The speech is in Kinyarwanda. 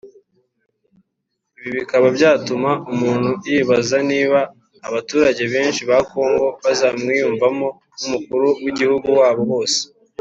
Ibi bikaba byatuma umuntu yibaza niba abaturage benshi ba Congo bazamwiyumvamo nk’umukuru w’igihugu wabo bose